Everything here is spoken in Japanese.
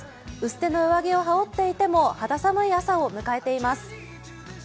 薄手の上着を羽織っていても肌寒い朝を迎えています。